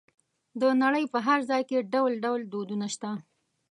د نړۍ په هر ځای کې ډول ډول دودونه شته.